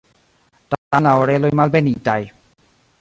Tamen la oreloj malbenitaj.